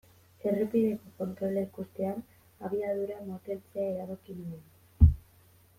Errepideko kontrola ikustean abiadura moteltzea erabaki nuen.